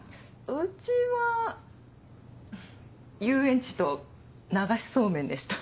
うちは遊園地と流しそうめんでした。